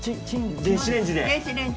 電子レンジ。